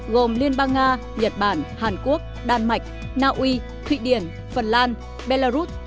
gồm liên bang nga nhật bản hàn quốc đan mạch na uy thụy điển phần lan belarus